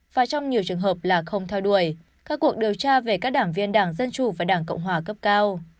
và trong nhiều trường hợp là không theo đuổi các cuộc điều tra về các đảng viên đảng dân chủ và đảng cộng hòa cấp cao